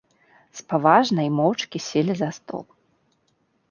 Спаважна й моўчкі селі за стол.